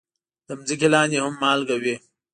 د ځمکې لاندې هم مالګه وي.